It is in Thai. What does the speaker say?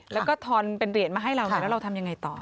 แล้วก็ทอนเป็นเหรียญมาให้เราแล้วเราทำยังไงต่อ